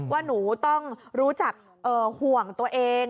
ว่าหนูต้องรู้จักห่วงตัวเอง